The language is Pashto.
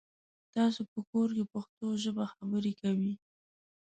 تاسو په کور کې پښتو ژبه خبري کوی؟